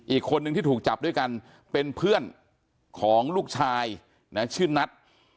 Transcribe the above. อีกคนนึงที่ถูกจับด้วยกันเป็นเพื่อนของลูกชายนะชื่อนัท